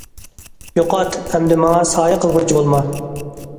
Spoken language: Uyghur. يوقات، ئەمدى ماڭا سايە قىلغۇچى بولما.